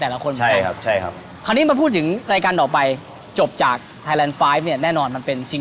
เราจะรอเอากลับไปทำดู